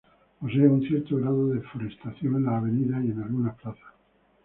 Posee un cierto grado de Forestación en las avenidas y en algunas plazas.